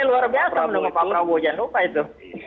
pekadar kami luar biasa menurut pak prabowo jangan lupa itu